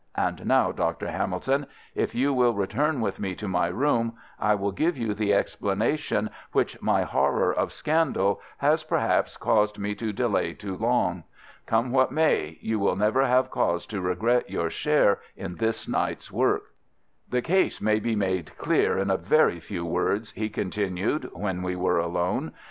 "And now, Dr. Hamilton, if you will return with me to my room, I will give you the explanation which my horror of scandal has perhaps caused me to delay too long. Come what may, you will never have cause to regret your share in this night's work. "The case may be made clear in a very few words," he continued, when we were alone.